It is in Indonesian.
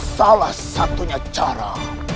salah satunya cara